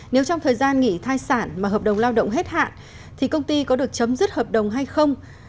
nếu trong thời gian nghỉ thai sản mà hợp đồng lao động hết hạn thì công ty có được chấm dứt hợp đồng hay không